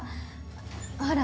ほら。